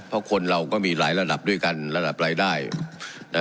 เพราะคนเราก็มีหลายระดับด้วยกันระดับรายได้นะ